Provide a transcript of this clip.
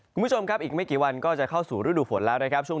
กับกิจประหลาดที่มีความหมายเบาต่อนทาง